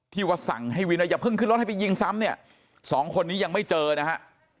ว่าสั่งให้วินว่าอย่าเพิ่งขึ้นรถให้ไปยิงซ้ำเนี่ยสองคนนี้ยังไม่เจอนะฮะ